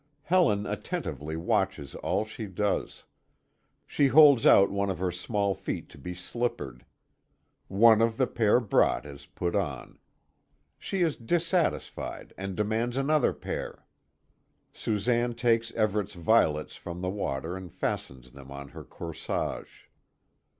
Helen attentively watches all she does. She holds out one of her small feet to be slippered. One of the pair brought is put on. She is dissatisfied and demands another pair. Susanne takes Everet's violets from the water, and fastens them on her corsage.